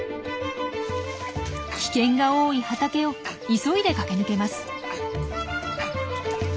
危険が多い畑を急いで駆け抜けます。